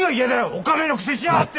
おかめのくせしやがって。